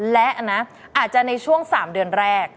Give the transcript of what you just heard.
และนะอาจจะในช่วง๓เดือนแรก